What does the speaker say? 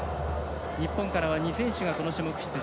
日本からは２選手がこの種目、出場。